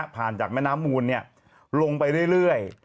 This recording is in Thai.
จากแม่น้ำมูลลงไปเรื่อย